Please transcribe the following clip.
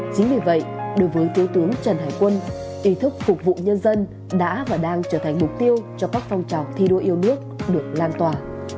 chính vì vậy đối với thiếu tướng trần hải quân ý thức phục vụ nhân dân đã và đang trở thành mục tiêu cho các phong trào thi đua yêu nước được lan tỏa